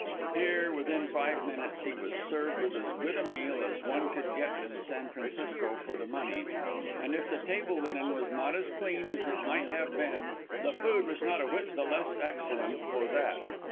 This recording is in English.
Here, within five minutes, he was served with as good a meal as one could get in San Francisco for the money and if the table linen was not as clean as it might have been, the food was not a whit the less excellent for that.